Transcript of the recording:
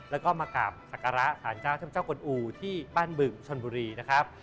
แล้วก็มากราบศักระสารเจ้าท่านเจ้ากลอูที่บ้านบึงชนบุรีนะครับ